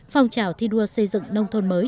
phong trào thi đua xây dựng nông thôn mới